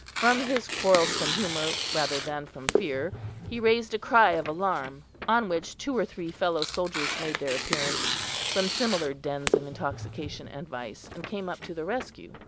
From his quarrelsome humour rather than from fear, he raised a cry of alarm; on which two or three fellow soldiers made their appearance from similar dens of intoxication and vice, and came up to the rescue.